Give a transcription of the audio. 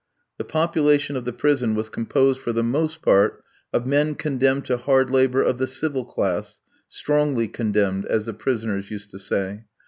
The population of the prison was composed for the most part of men condemned to hard labour of the civil class "strongly condemned," as the prisoners used to say.